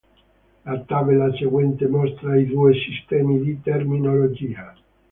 La tabella seguente mostra i due sistemi di terminologia.